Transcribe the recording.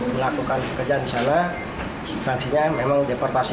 melakukan pekerjaan di sana sanksinya memang deportasi